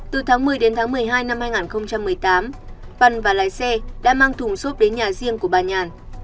từ tháng một mươi đến tháng một mươi hai năm hai nghìn một mươi tám văn và lái xe đã mang thùng xốp đến nhà riêng của bà nhàn